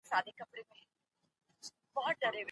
په پلورلو کي رښتيا ويل برکت لرم.